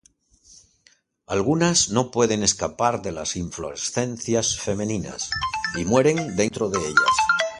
Algunas no pueden escapar de las inflorescencias femeninas y mueren dentro de ellas.